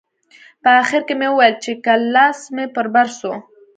په اخر کښې مې وويل چې که لاس مې پر بر سو.